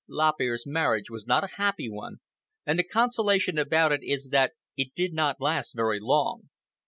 Lop Ear's marriage was not a happy one, and the consolation about it is that it did not last very long.